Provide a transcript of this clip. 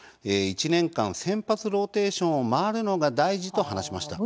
１年間先発ローテーションを回るのが大事と話しました。